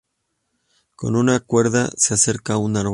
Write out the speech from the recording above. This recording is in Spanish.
Con una cuerda, se acerca a un árbol.